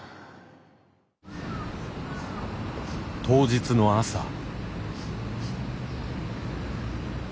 当日の朝。